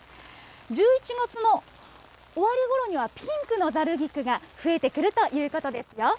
１１月の終わりごろにはピンクのざる菊が増えてくるということですよ。